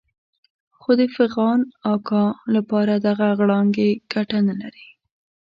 خو د فخان اکا لپاره دغه غړانګې ګټه نه لري.